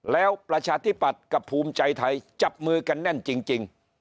แล้วประชาธิปัตย์กับภูมิใจไทยจับมือกันแน่นจริง